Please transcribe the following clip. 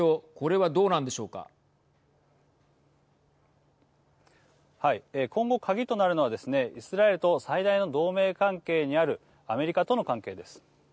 はい、今後鍵となるのはですねイスラエルと最大の同盟関係にあるアメリカとの関係です。